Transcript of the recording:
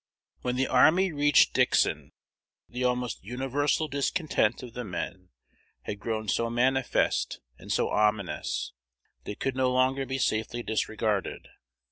When the army reached Dixon, the almost universal discontent of the men had grown so manifest and so ominous, that it could no longer be safely disregarded.